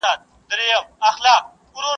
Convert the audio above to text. که بيت المال سم ولګول سي فقر به ختم سي.